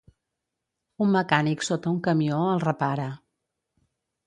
Un mecànic sota un camió el repara.